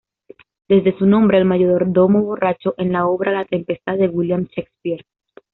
Debe su nombre al mayordomo borracho en la obra "La tempestad" de William Shakespeare.